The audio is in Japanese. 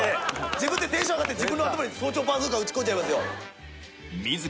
自分でテンション上がって自分の頭に早朝バズーカ撃ち込んじゃいますよ！